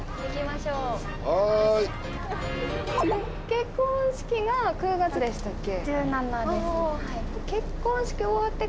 結婚式が９月でしたっけ？